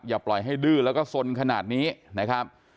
แล้วก็ให้ดื้อแล้วก็ฟนศนขนาดนี้นะครับ